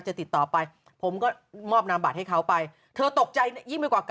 ติดต่อไปผมก็มอบนามบัตรให้เขาไปเธอตกใจยิ่งไปกว่า